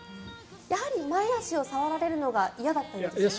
やはり前足を触られるのが嫌だったみたいです。